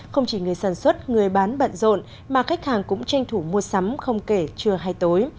không chỉ người sản xuất người bán bận rộn mà khách hàng cũng tranh thủ mua sắm không kể trưa hay tối